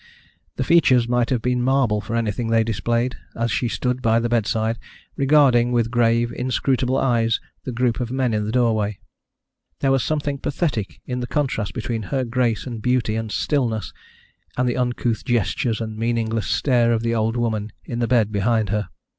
The features might have been marble for anything they displayed, as she stood by the bedside regarding with grave inscrutable eyes the group of men in the doorway. There was something pathetic in the contrast between her grace and beauty and stillness and the uncouth gestures and meaningless stare of the old woman in the bed behind her.